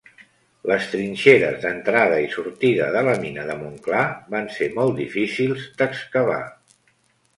Les trinxeres d'entrada i sortida de la mina de Montclar van ser molt difícils d'excavar.